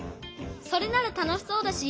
それならたのしそうだし